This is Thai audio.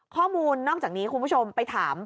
ข้อมูลนอกจากนี้คุณผู้ชมไปถาม